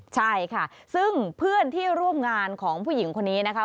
ใช่ค่ะซึ่งเพื่อนที่ร่วมงานของผู้หญิงคนนี้นะคะ